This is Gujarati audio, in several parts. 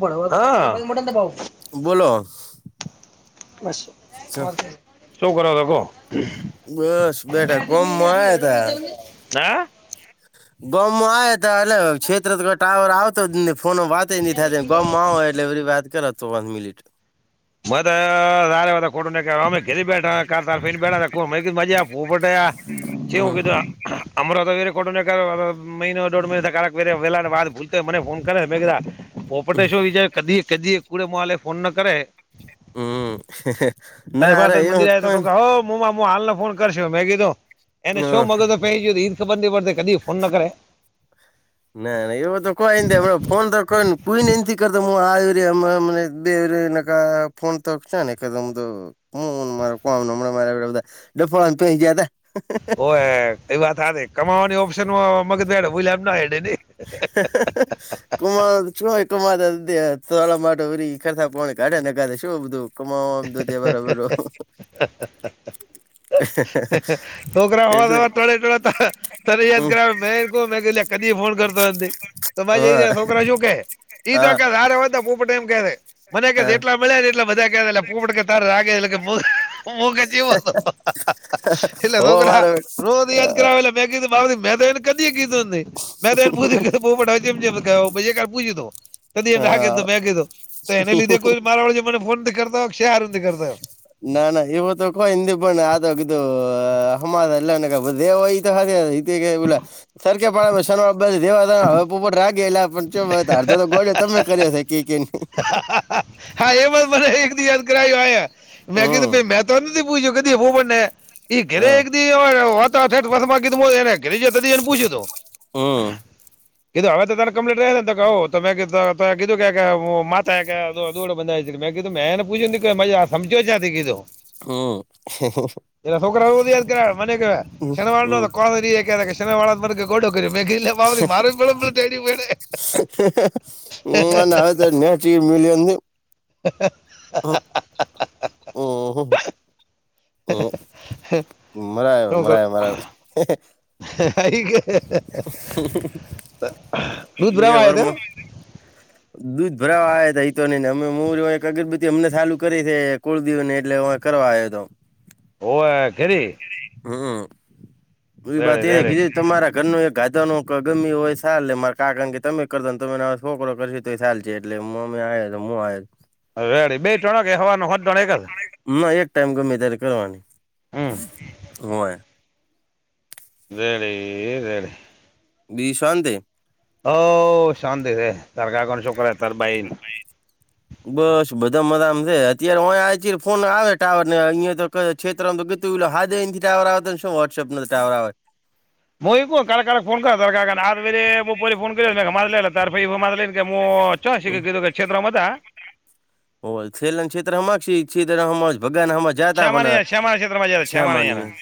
બરોબ હા મો ભ [unintelligible] બોલો [unintelligible] શું કરાવતા ક [unintelligible] બાુુંડ બસ બેટા ગમમાં જ હ [unintelligible] ગમાં આવ ત એટલે છેેત્ર તો ટાવર આવતો જ ફોનો વાત ન થાય ગમાંય એટલે એરી વાત કરો ચોસ મિનિટ મ ખોટો ને અમે ઘેલી બેઠા કાર તરફી ને બેઠા જ મજા ફટટે જ હમ હગી [unintelligible] અમરો તો વેરે કોટ મહિનો દોઢ મહિના કલાક વેરે વેલા ને વાત ભૂલતો હોય મને ફો ે મેં કા પોપટે શું વિચાર કદી કદી કુડે મોલે ફોન ના કરે હમ [unintelligible] તને ના ભ ત અરે એવું મંદિરય તો કોઈ હો મો હું હાલને ફોન કરશ મેગી તો એને શો મગ તો પે ગયો ઈદ ખબર ની પડતી કદી જ ફોન ન [unintelligible] કરે [unintelligible] ના ના એવ તો કોઈ ફોન તોને કોઈ કરતો હું આ ર બે [unintelligible] આ ફોન તક કદમું હું મા કોં મા બધા ડફળ પયા ત ઓ કઈ વાત હ કમાવાની ઓપ્શનમાં મગમ ના [unintelligible] [unintelligible] કમા શુંય કમાતા ત માટરી કરતા કોણી કાઢે ને કાે શું બધું કમા તો દવાાર બ રો કરા હોવા ટોડે હમ ટોળદ મેન મે [unintelligible] કદી ફોન કરતો એમ તોરે જ હા રહ છોકરા શું કે હા તકા આરેારે વાતા પૂપ ટાઈમ કે મને ક હા એટલા મળ્યા ને એટલા બધા ક એટલે પપડકે તારેા રાગે એટલે કેગ જવો હતો હો એટલેો કર હા મારો રો યાદ કરાવે એટલે મેં કીધું મેં તો એને ક કીધું મેં તો એને પૂછ્યું બહુ બામ પૂછ્યું તો ક એ ના ક હા તો મેં કીધું તો એને લીધે કોઈ મારા વાડે મને ફોન નથી કરતા હોય છેારું નથી કરતા હોય ના ના વ તો કો હિન્િ બણ આોધ અહ્મદ અલ્ને ક દેવઈ તો હ સરખ પાડ શન દેવા હવે પોપટ રાખ ગે એલા અડધ તો ગોળ તમે કર્યો છે કે કે નહી હા એ વાત મને એક દ યાદ કરાયું આ મેં હમ કીધુંાઈ મેં તો એમ નથી પૂછ્યું દ હું બને એ ઘરે હા એક દી વાઠે વસ માં કીધું એને ઘરે જ ત એને પૂછ્યું તો હમ કીધ હવે તો તનેમ્લેટ રહે ને [unintelligible] કે મજા [unintelligible] જાતી કીધું હમ્મ. [unintelligible] એ શ સુકરા ઉવદીદ કરરા મનેક શનવાળ હમ ન કો ક શનવાળ ગોડો કર્યો મે માે ને હવે તો નેચ મલીીંદ [unintelligible] મરાયો મરાયો મરાયો બે રુદ્રવાયા તે વરમાં દૂધ ભરાવા આવ ત ઈ તો નઈને અમે મો એક અગરબત્ અમને સાલું કરી છે કોળ દિવવને એટલે કરવાય દો [unintelligible] હમ રેડે [unintelligible] રેડે તમારા ઘરનું એક [unintelligible] એટલે [unintelligible] રેડી બે [unintelligible] ના એક ટાઈમ ગમે ત્યારે કરવાની હમ હોય [unintelligible] બી શાંતે હો શાંતિ છે. [unintelligible] [inaudible] બસ બધા મજામાં છે અત્યારે [unintelligible] ફોન આવે ટાવર ને અહિયાં તો [unintelligible] ટાવર આવે તો શું વોટ્સપ ટાવર આવે [unintelligible] [unintelligible] હો છેલા શ્યામાની અહીંયા શ્યામાના ક્ષેત્રમાં જતા શ્યામાના અહીંયાના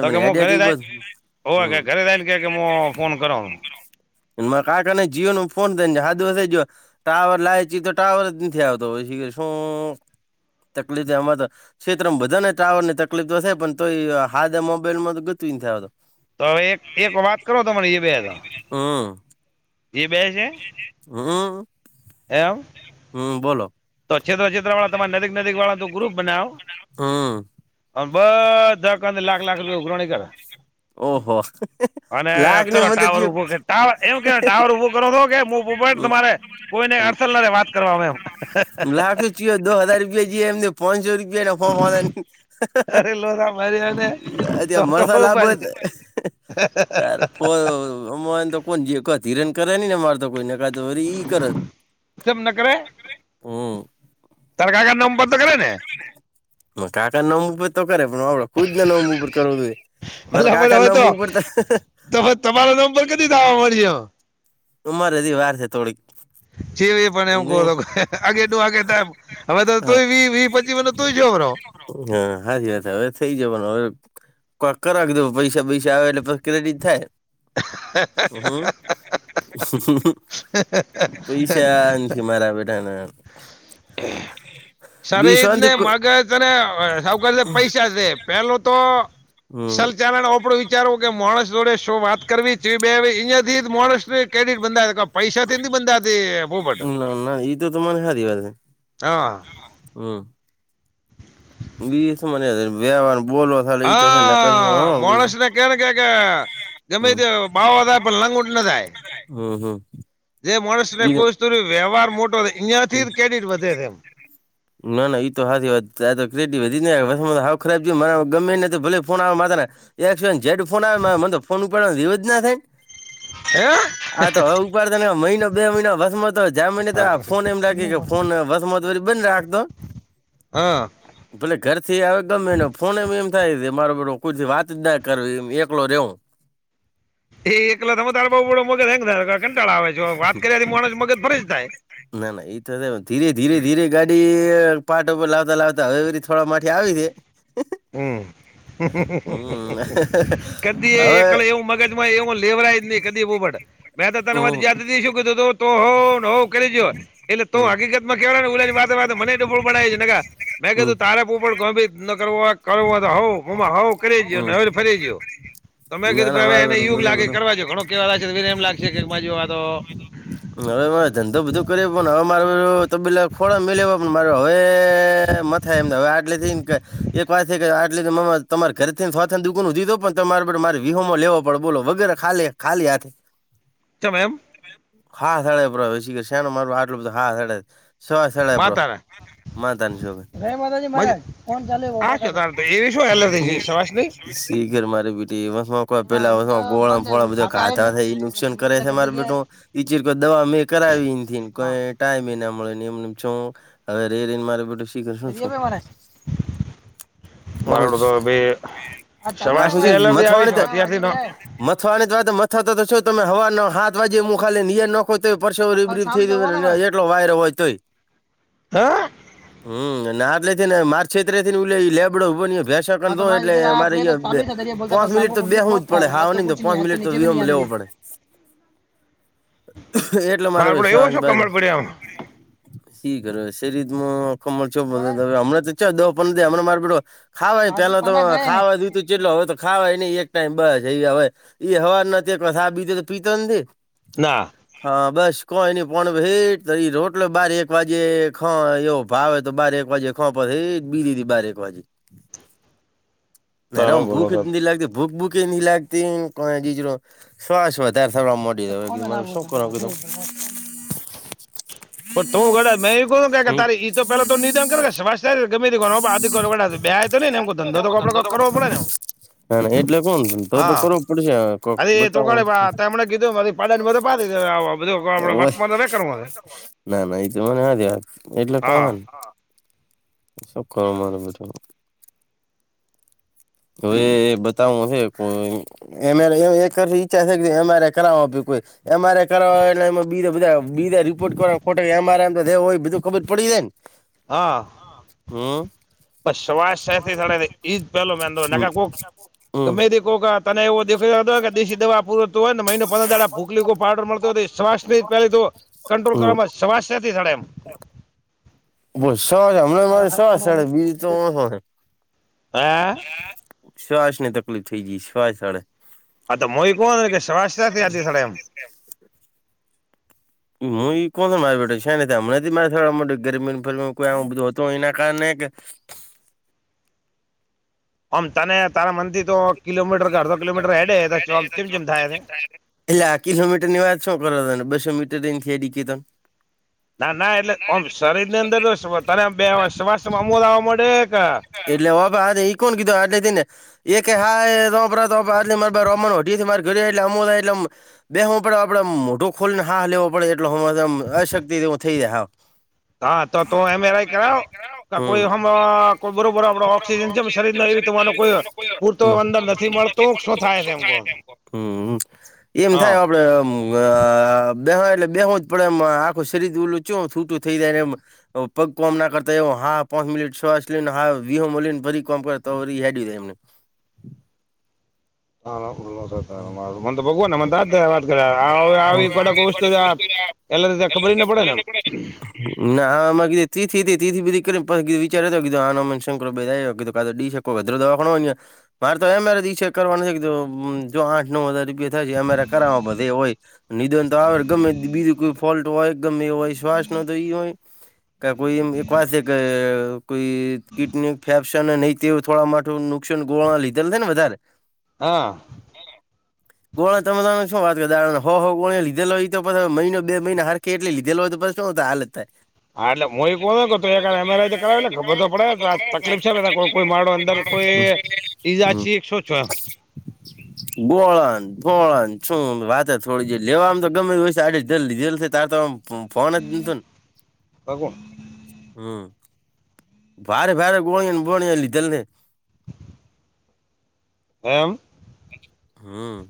તો કે હું ઘરે જાય [unintelligible] [unintelligible] [unintelligible] ફોન કરો [unintelligible] જીઓ નો ફોન [unintelligible] ટાવર લાવચ તો ટાવર જ નથી આવતો પછી શું [unintelligible] ક્ષેત્રમાં બધાને ટાવર ની તકલીફ તો થાય પણ તો હાદા મોબાઈલ માં તો [unintelligible] [unintelligible] હમ્મ. એ બે છે હમ્મ. એમ હમ્મ બોલો તો છેતરા છેતરા વાળા તમારે નજીક નજીક વાળા તો ગ્રુપ બનાવો હમ બધા લાખ લાખ રૂપિયા ઉઘરાણી કરે હોસ તો અને કરો ટાવર ઉભો કર ટાવર એમ કે ટાવર ઉભો કરો તો કે હું ઉભો પડ હમ તમારે કોઈ નઈ હમ અડસલ ના વાત કરવામાં એમ [unintelligible] દો હજાર રૂપિયા જ એમને પાંચસો [unintelligible] અરે લોરા મારી અને તો [unintelligible] તો મસાલા ઉભા બંધ કેમ ન કરે [unintelligible] [unintelligible] તારા કાકાના નંબર [unintelligible] ઓ કાકા નેમું તો કરે પણ આવડો ખુદને નવમું ઉપર કર જોઈ મારા કાકા નામ ઉપર [unintelligible] ત પછી તમારો નંબર કદી દામળીયો ઉમાર રહજી વાર છે થોડીક જેવી એ પણ એમ કહો નઈ તો આગેટું આગે તમ હા હવે તો [unintelligible] [unintelligible] હવે થઇ જવાનું હવે [unintelligible] કરાવી દે પૈસા પૈસા આવે એટલે પહિ ક્રેડિટ થાય હમ્મ પૈસા મારા બેટાને શરીર ને મગજ અને સવ કર પૈસા છે પેલું તો હમ સલચારના ઓપડું વિચારવું કે મોણસ જોડે શું વાત કરવી ચ બે અહીંયા થી મોરાષ્ટ્ર એક કેરીટ બંધા યોથા પૈસાથી નથી બંધાથી પોપટ ના ના ઈ તો તમારે હારી વાત હે. હા હમ્મ [inaudible] બીછે મને વેવાર બોલો થાલે ઈ તો થાય નકર હો હા પછી મોણશના કેના કાકા ગમે હમ તે ભાવ ઓછા પણ લાગુંઠ ના થાય હમ્મ હમ્મ જે મોણસ ને કોસ તુરી વ્યવહાર મોટો અહિયાયાથી કેડીટ વધે તેમ ના ના ઈતો હાચી વાત ત્યાંતો ક્રેડ વધી જ હાવ ખરાબ થયું મારા ગમે નથી ભલે ફોન આવે માનતને એ સ જેડ ફોન આવે મ તો ફોન ઉપડ રિવુજ ના થાયને હા તો હવે ઉપાડતા નહી મહિનો બે મહિના વસમતય જા મહિને તો હે ફોન એમ રાખી કે ફોન વસમતો વળી બંધ રાખતો હા ભલે ઘર થી આવે ગમેને ફોન એમ એમ થાય મારોર કોનુ વાતજ ના કરવી એકલો રેવું એ એકલા તમે તારા બાડો મગજ થાય કંટાળા આવે છે વાત કર્યા થી માણ મગજ ફરીજ થાય. ના ના એ તો થ ધીરે ધીરે ધીરે ગાડી ઈ પાતા ઉપર લાવતા લાવતા હવે થોડા માથે આવી હે. [unintelligible] હ હમ કદી હવે એક કલેવ મગજ એવું લેવરાય જ નહી કદી પોબટ મેં તો તન વાત હમ જયાતશું કીધુંતું તો હોવ હોવ કરી જો એટલે તો હમ હકીકતમાં કેવા નેલાની વા વા મને ડફોળ બનાઇ જાનેકા. મેં હમ કીધું તારેા પોપટ કોઈ ભી ન કરવુ હક કરવુ હો હોવ ઘુમા હોવ કરેજો ન હમ ફરે જયો. તમે ના કીધું ના હવે મારે એને બધું યુગ બધું લાગે બધું કરવા જો ઘણું કેવા લાગ છેને એમ લાગશે કે માજી વાતો હવે મારે ધંધો બધો કર્યો પણ હવે માર તબીલા ખોડા મે લેવા પણ મા હવે થાય એમને હવે આટલે થઈ ને કે એક વાત છે કે આટલે તમારે ઘરે થીથને દુકનું દીધું પણ તમારેર મારે વિહો માં લેવો પડે બોલો વગે ખાલે ખાલી હાથ કમેમ હા હડે કર શેનો માર આટલું બધું હાક હડે શવા શળપ્રો માનતા ની છોકરી જય માતાજી મહારાજ કોણ ચાલે શી ઘર મારી બીટી વ કો પેલા ગોળા ને ફોળા બધા કાતાથ એ નુકસાન કરાય છે મારે બેઠું ચીર કો દવા મેં કરાવી નેઈ ટાઈમને મળેને એમ છો હવે રે રને મારે શીખર શું છું દરીએ ભે મારે મારેડું તો આખું ભી ચમાસની એલર્જી આવી છે અત્યારથી ન મથાની વા મથા તો શ તમે હવા ન હાથ વા હું ખાલી નીયર ન આ તો પરસ રીબ રી થઈ એટલો વાયરો હોય તોય હા હમ અને આટ લ ને માર છેતે લ લેબડ બની ક એટલે અરે પાંચ મિનિટ તો બે હું જ પડે હ નહી તો પાંચ મિનિટ તો વીહ લેવો પડે એટલે માર મારે પડ એવો શાંત છો કમળ બસ પડ્યામ શી ખર શેરીતમાં કમરચો હમણાંતો ચદ પણ નથી હમણાં માર પીડો ખાવા પેલા તો ખાવા દ તું ચિલો હોય. ખાવાય નઈ એક ટાઈમ બસ એ હવે એ હવા નથી શરાબ બી પીતો નથી. ના. હા બસ કોઈની પણ ભેટ તરી રોટલો બાર એક વાજે ખયો- ભાવે તો બાર એક વાજે ખવા પર એજ બી દીધી બાર એક વાજે. નારા તારો બોલો ભૂખ તો લાગતી. ભૂક ભુકે લાગતી કોજરો શ્વાસવા તસો. કોામમે [unintelligible] પણ તું વ મેં એ કે હમ. તારે એ તો પેલા તો નિધાન કર સ. ગમે બે તોનેમ ધંધો તો આપડવો પડે ને હા એટલે કોણ તો તો હા કરવું પડશે કોક અરે એ તો બતાવ ઓ ગણે બા તે હમણાં કીધું મારી પાડાની બધે પાડી દે આ બધું આપણે વર્તમાન તો કરવું છે ના ના એ તો મને વાત વાત. એટલે તો. હા શું કરો મારે બટા હવે બતાવું હશે. તો એ ચ્છા છે અરે કર કોઈ. એમ આર કરવા બીા રિપોર્ટ ખોટ એમ આર હોય બધું ખબર પડી જાય ને હ. હમ. સવા ઈ પહેલો મે કોહ હમ ગમેથી કોહ. તને એવો દેખાય કે દેશી દવા પૂર હો ને મહિને પંદર ભૂખલી પાવડર મળતો શસ પ કંટ્રોલ કરવામાં શ્વાસ નથી થડે એમ. હ. બ શવા છે હમણાં મારે શવાસે બી તો ઓ આ. શ્વાસ ની તકલીફ થઇ જઈ શ્વાસ વાડે અ મ મોયિક હોવા શવાશયાતિ સડયમ. એમ હું ઈ કોણ છ મારી બેઠું છે ને હમ નથી મારે થ મો ગરમી ફરી કોઈું બધું હતું એના કારણે [unintelligible] આમ તને તારા મનથી તો કિલોમીટર અડધો કિલોમીટર હેડેમ ચમ ચમ થાય. એટલે આ કિલોમીટર ની વાત શું કરો ત ને બસો મીટર ની થથીયરી કેતન ના ના એટલેમ શરીર ની અંદર તને બે શ્વાસમાં અમુલ આવવા મળે કે એટલે વાબા આ ઈ કોણ કીધું આટલે થઈ ને એ કે હા રમણટી મા ઘ એટલે અમ થાય એટલેમ. બે હું પડ આપડે મોટો ખોલ ને હા લેવો પડે એટલે હ અશક્તિ હું થઈ જ હ હા તો તો એમરઆઈ કરાવો કોઈ હમ બરોબર આપડ ઓક્સિજન છે શરીર. તમારું કોઈ. પૂરતો અંદર નથી મળતો શું થાય છે એમ કહું એમ થાય. હા આપડેમ બેહ એટલે બેહુંડે એમ આખું શરીર ઓલું ચ છૂટું થઈ જાય ને એમ. પગ કોમ ના કરતા એવ હા પાંચ મિનિટ છને હા વહ મળલીને ફરી કોમ કર હેડ એમને હા. મને તો ભગવવા ને મને વાત કર આવી કડક વસ્તુ છે. એટલે તો ત્યાં ખબર ના પડે ને એમ ના હામાંથી તથી બધી કરી વિચાર તોી હમામ શંક બે કાોઈ શકે કોઈ વધરો દવાખણયં મારે તો એરેઈછ કરવાનું નથી. જો આઠ નવ હજાર રૂપિયા થાય છે અમારે કર બધ એ હોય. નિધન તો આવે ગમે બીજું કોઈ ફોલ્ટ હોય ગમે એ હોય શ્વાસ ન તો એ હોય. ક કોઈ એમ એક વાસે કે કોઈ કિટની ફેક્શન નહ. તે થોડા માું નુકસાન ગો લીધેલ ને વધારે. હા. ગણે તમે તને શું વાત કરો દાને હો કોણે લીધેલો હોય તો મહિનો બે મહિના હર એટલી લીધેલો હોય તો પછ શુંતો હાલત. [inaudible] હા એટલે હું એ કો એમરઆઈ કરાવેટલે ખબર તો પડે તકલીફ છે કો કોઈ માડો અંદર કોઈ. ઈજાચી એક છો છો. ગોળન ગોળન શું વાત થોડી જે લેવામાં તો ગમે હોય છે આડે જલ્ જેલ થ ત તોમ. ફન ત પાકું. હમ. ભારે ભારે ગોણીને બોણી લ જલને. એેમ. હમ.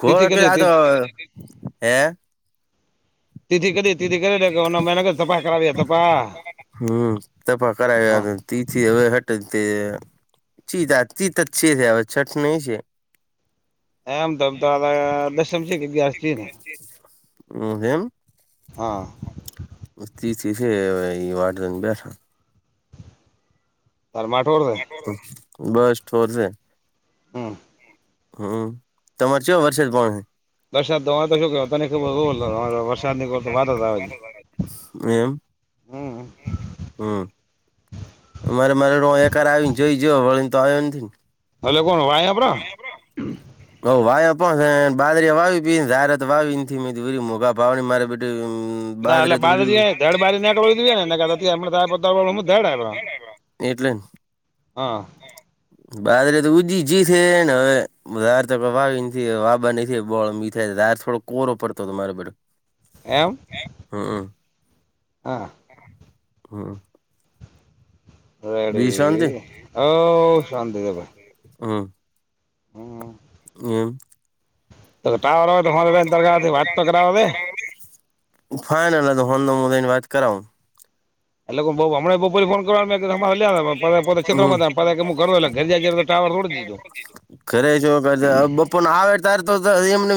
ગો તિથિ કદી આ તો તિ- હે. તિથથી કરી તિથીિ કરી મે ક તપા કરાવી તપા. હમ તપા હા કરાવ્યા તેથી હવે હટે તે. ચીધા તીત જ છે હવે છઠ નહી છે. એમ તોમ તો આ દસમ છે કે ગ્યાર છી ને. જ. હ હેમ. હા. તી તી એ વાટ રંગ બેઠા. તરમાટોડશે. બસ ઠોર છે. હા. હમ તમારે ચ વર્ષે જ પણણ. વરસાદ તો અરે તો શું કે તને ખબર વરસાદ નીર તો વાત જ આવે છે. એમ હમ હમ. મારે મારે એક આવીને જોઈ જ વળ ને તો આવ્યો નથીને. હમ. હ વાવ પણ બાદરી વાવી પી વાવી મોઘા ભ મારે. ના બાદરે એટ તો વરી બારેડ બારી નીકળ ને હેડ. એટલેને. હા. બાદરે તો ઉ જી છે ને હવે. ાર તો વાવી વાબા નથી બો મીઠાઈાર થોડો કોરો પડતો મારાર. એમ. હમ. હા. હમ. બી શાંતિ રેડી ઓ શાંતિ હા. હમ ટાવર હો તોથી વાત તો કરાવ દે. ફાઈન હોન ન મુદા ની વાત કરાવું. એટલે હું બહુ અ હમ હમણાં બ બપોરે ફોન કરવાનો મેં કીધું અમારે લે આવે પણ પોતે ફોન હ્યા પોતે ક્ષેત્રમાં હતા હતાપ. પણ પોતે કે હું કરતો એટલે ઘર જાય જ્યારે તો ટાવર તોડી દીધો ખરે છે કર બપ આવે તારે તો એમને.